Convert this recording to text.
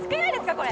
これ。